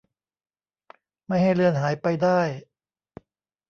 ไม่ให้เลือนหายไปได้